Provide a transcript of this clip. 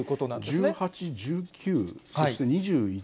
１８、１９、そして２１。